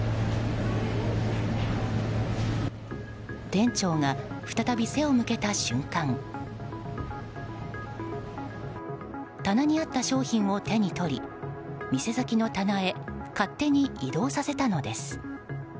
店長が再び、背を向けた瞬間棚にあった商品を手に取り店先の棚へ勝手に移動させたのです。